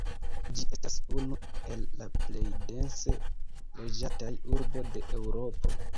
Ĝi estas unu el la plej dense loĝataj urbo de Eŭropo.